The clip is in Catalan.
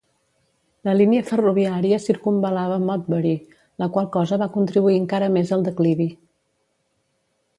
La línia ferroviària circumval·lava Modbury, la qual cosa va contribuir encara més al declivi.